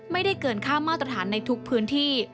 ไม่ได้เกินค่ามาตรฐานในทุกพื้นที่